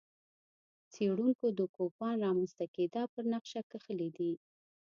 څېړونکو د کوپان رامنځته کېدا پر نقشه کښلي دي.